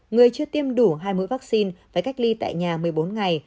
người chưa tiêm đủ hai mũi vaccine phải cách ly tại nhà một mươi bốn ngày